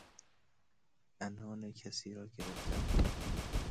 عنان کسی را گرفتن